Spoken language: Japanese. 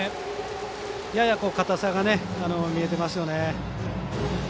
ややかたさが見えてますよね。